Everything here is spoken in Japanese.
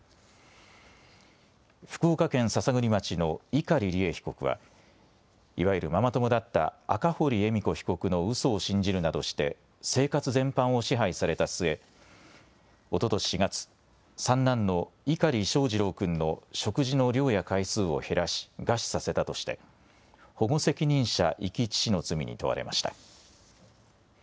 福岡県篠栗町の碇利恵被告はいわゆるママ友だった赤堀恵美子被告のうそを信じるなどして生活全般を支配されたすえおととし４月三男の碇翔士郎君の食事の量や回数を減らし餓死させたとして、保護責任者遺棄致死の罪に問われました。